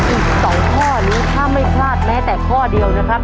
อีก๒ข้อนี้ถ้าไม่พลาดแม้แต่ข้อเดียวนะครับ